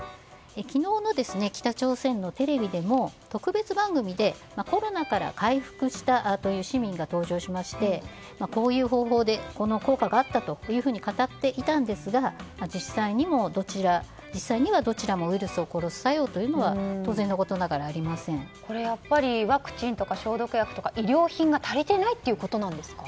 昨日の北朝鮮のテレビでも特別番組でコロナから回復したという市民が登場しましてこういう方法で効果があったと語っていたんですが実際にはどちらもウイルスを殺す作用というのはワクチンとか消毒薬とか医療品が足りていないということなんですか。